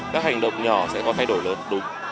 các hành động nhỏ sẽ có thay đổi lớn đúng